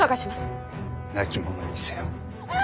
亡き者にせよ。